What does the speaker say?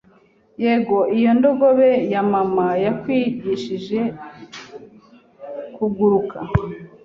Yego iyo ndogobe ya mama yakwigishije kuguruka